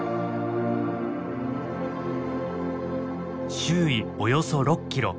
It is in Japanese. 周囲およそ６キロ。